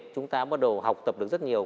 chúng ta bắt đầu học tập được rất nhiều